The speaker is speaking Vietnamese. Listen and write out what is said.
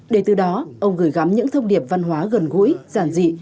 để từ đó ông gửi gắm những thông điệp văn hóa gần gũi giản dị